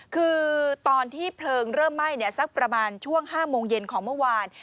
คือตอนที่เพลิงเริ่มไหม้สักประมาณช่วง๕โมงเย็นของเมื่อวาน